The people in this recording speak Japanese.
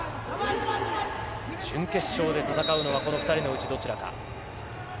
準決勝で戦うのはこの２人のうちどちらか。